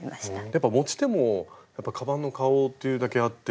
やっぱ持ち手もカバンの顔というだけあって。